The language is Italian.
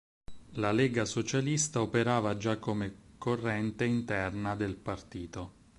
La Lega Socialista operava già come corrente interna del partito.